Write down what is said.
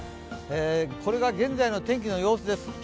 これが現在の天気の様子です。